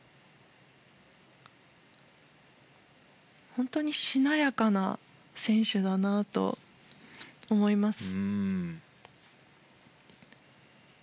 本当にしなやかな選手だなと思います。